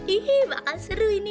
ii makasih seru ini